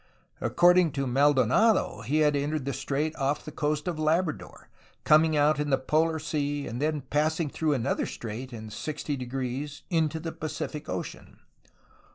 According to Maldonado he had entered the strait off the coast of Labrador, coming out into the Polar Sea and then passing through another strait in 60° into the Pacific Ocean.